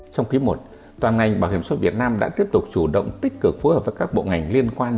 trong quý i toàn ngành bảo hiểm xã hội việt nam đã tiếp tục chủ động tích cực phối hợp với các bộ ngành liên quan